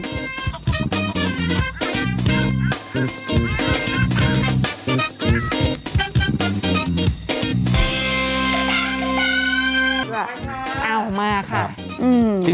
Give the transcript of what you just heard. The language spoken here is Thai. สวัสดีครับอ้าวมากค่ะ